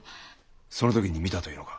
その時に見たというのか？